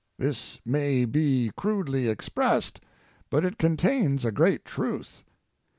This may be crudely expressed, but it contains a great truth.